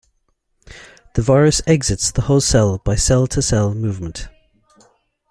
The virus exits the host cell by cell-to-cell movement.